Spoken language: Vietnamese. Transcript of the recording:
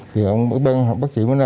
thì ông bác sĩ mới nói là